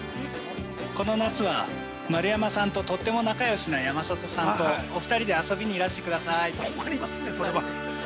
この夏は、丸山さんととても仲よしな山里さんと、お二人で遊びにいらしてください。